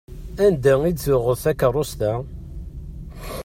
Anda i d-tuɣeḍ takerrust-a?